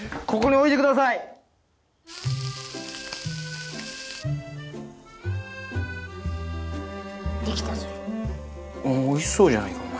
おいしそうじゃないかお前。